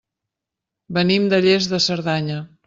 Venim de Lles de Cerdanya.